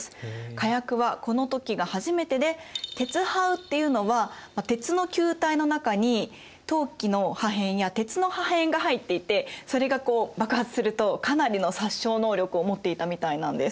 火薬はこの時が初めてでてつはうっていうのは鉄の球体の中に陶器の破片や鉄の破片が入っていてそれがこう爆発するとかなりの殺傷能力を持っていたみたいなんです。